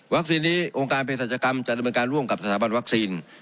นี้องค์การเพศรัชกรรมจะดำเนินการร่วมกับสถาบันวัคซีน